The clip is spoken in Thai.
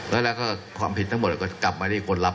แล้วก็ความผิดทั้งหมดก็กลับมาที่คนรับ